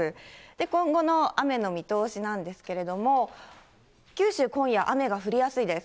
今後の雨の見通しなんですけれども、九州、今夜雨が降りやすいです。